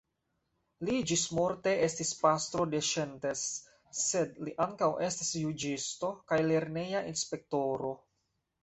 Li ĝismorte estis pastro de Szentes, sed li ankaŭ estis juĝisto, kaj lerneja inspektoro.